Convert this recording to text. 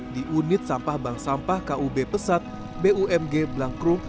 di unit sampah bank sampah kub pesat bumg blangkrum